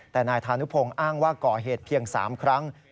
แต่นายธานุพงศ์อ้างว่าก่อเหตุเพียง๓ครั้ง